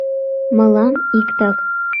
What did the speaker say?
Мылам иктак...